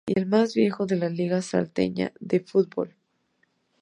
Y el más viejo de la Liga Salteña de Football.